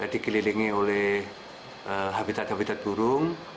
dikelilingi oleh habitat habitat burung